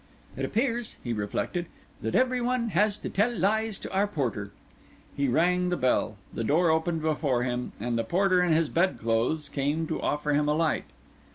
"It appears," he reflected, "that every one has to tell lies to our porter." He rang the bell, the door opened before him, and the porter in his bed clothes came to offer him a light.